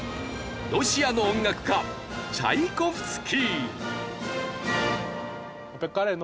ロシアの音楽家チャイコフスキー。